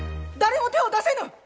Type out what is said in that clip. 誰も手を出せぬ！